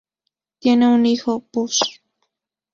Tienen un hijo, Buzz.